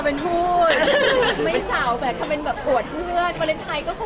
มั้งว่ามันต้องชำบันดีกวุ่รรกาก